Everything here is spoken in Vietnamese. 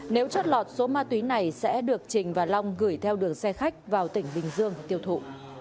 nếu chót lọt số ma túy này sẽ được trình và long gửi theo đường xe khách vào tỉnh bình dương tiêu thụ